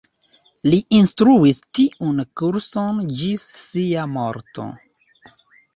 Li instruis tiun kurson ĝis sia morto.